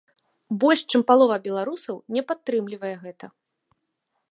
Больш чым палова беларусаў не падтрымлівае гэта.